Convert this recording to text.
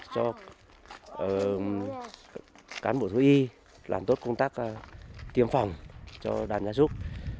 các cán bộ thu y làm tốt công tác tiêm phòng cho đàn gia súc